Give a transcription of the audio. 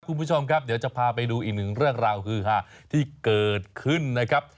คุณผู้ชมครับเดี๋ยวจะพาไปดูอีกหนึ่งเรื่องราวฮือฮาที่เกิดขึ้นนะครับ